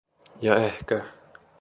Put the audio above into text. Ja ehkä...